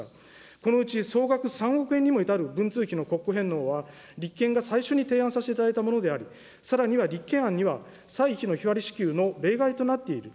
このうち、総額３億円にも至る文通費の国庫返納は立憲が最初に提案させていたものであり、さらには、立憲案には、歳費の日割り支給の例外となっている